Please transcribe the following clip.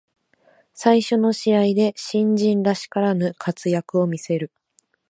最初の試合で新人らしからぬ活躍を見せる